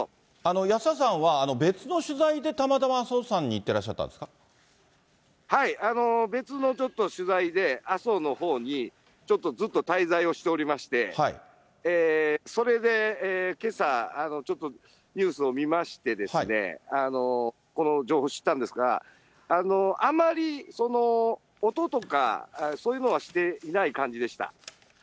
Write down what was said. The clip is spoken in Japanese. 安田さんは別の取材でたまたま阿蘇山に行ってらっしゃったん別のちょっと取材で、阿蘇のほうにちょっとずっと滞在をしておりまして、それでけさ、ちょっとニュースを見ましてですね、この情報を知ったんですが、あまり、音とか、そういうのはしていない感じでした。